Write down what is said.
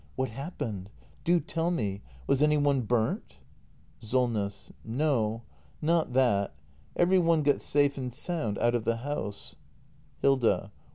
] What happened ? Do tell me! Was any one burnt? SOLNESS. No, not that. Every one got safe and sound out of the house Hilda.